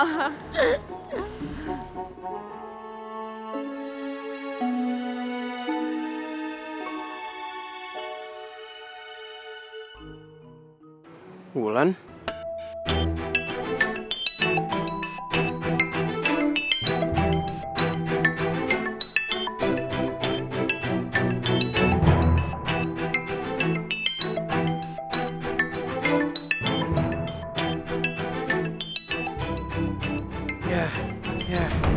ceo siapa si cancelled up file mel aku dan believer dibutuhkan